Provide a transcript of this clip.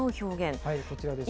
こちらです。